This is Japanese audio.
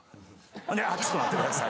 ほんで「ちょっと待ってください」